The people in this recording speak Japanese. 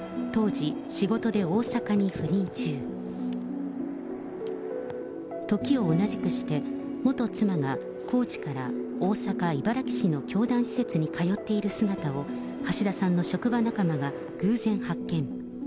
時を同じくして、元妻が高知から大阪・茨木市の教団施設に通っている姿を橋田さんの職場仲間が偶然発見。